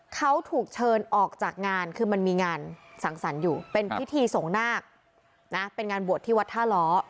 เขาถูกเชิญออกจากงานคือมันมีงานสังสรรค์อยู่เป็นพิธีส่งนาคนะเป็นงานบวชที่วัดท่าล้อ